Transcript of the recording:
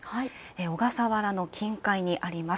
小笠原の近海にあります。